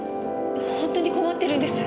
本当に困ってるんです。